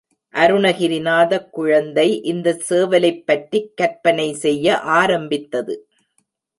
அருணகிரிநாதக் குழந்தை இந்த சேவலைப் பற்றிக் கற்பனை செய்ய ஆரம்பித்தது.